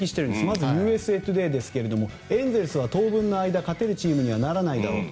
まずＵＳＡトゥデーですがエンゼルスは当分の間勝てるチームにはならないだろう